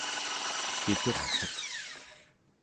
kiturtuq